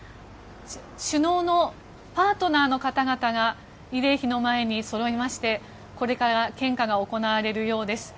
首脳のパートナーの方々が慰霊碑の前にそろいましてこれから献花が行われるようです。